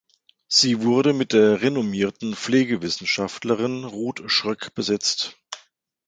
Sie wurde mit der renommierten Pflegewissenschaftlerin Ruth Schröck besetzt.